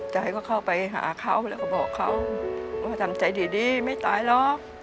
ยายก็เข้าไปหาเขาแล้วก็บอกเขาว่าทำใจดีไม่ตายหรอก